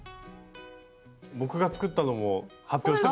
僕が作ったのも発表していいですか？